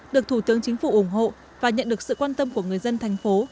được thủ tướng chính phủ ủng hộ và nhận được sự quan tâm của người dân thành phố